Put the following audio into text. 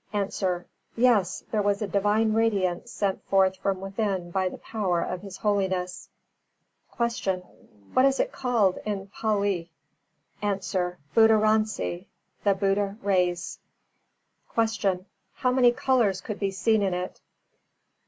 _ A. Yes, there was a divine radiance sent forth from within by the power of his holiness. 335. Q. What is it called in Pālī? A. Buddharansi, the Buddha rays. 336. Q. _How many colours could be seen in it?